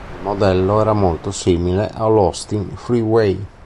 Il modello era molto simile all'Austin Freeway.